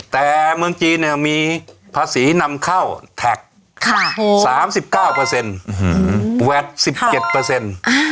แต่เมืองจีนเนี่ยมีภาษีนำเข้าแท็กสามสิบเก้าเปอร์เซ็นต์แวด๑๗เปอร์เซ็นต์